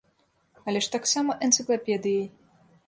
Але ж таксама энцыклапедыяй.